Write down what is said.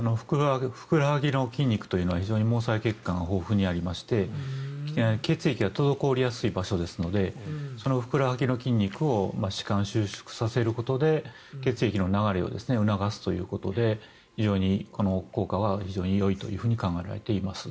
ふくらはぎの筋肉というのは非常に毛細血管が豊富にありまして血液が滞りやすい場所ですのでそのふくらはぎの筋肉を弛緩、収縮させることで血液の流れを促すということで非常に効果がいいと考えられています。